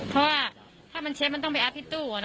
เพราะว่าถ้ามันเช็บมันต้องไปอาฟที่ตู้ก่อนเนอะ